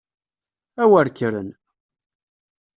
A wer kkren!